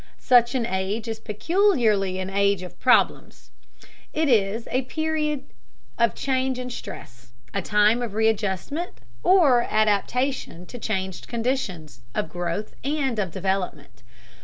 Such an age is peculiarly an age of problems: it is a period of change and stress, a time of readjustment, of adaptation to changed conditions, of growth, and of development.